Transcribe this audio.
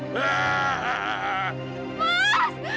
teriak sekarang kalian berkuasa di sini aku